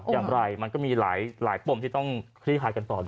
อย่างไรมันก็มีหลายปมที่ต้องคลี่คลายกันต่อด้วย